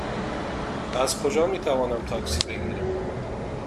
از کجا می توانم تاکسی بگیرم؟